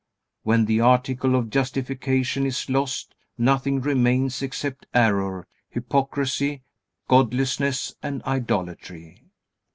When the article of justification is lost, nothing remains except error, hypocrisy, godlessness, and idolatry.